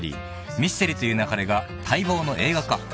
『ミステリと言う勿れ』が待望の映画化］